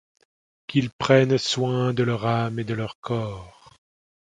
Qu’ils prennent soin de leur âme et de leur corps.